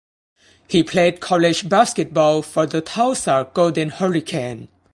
He played college basketball for the Tulsa Golden Hurricane.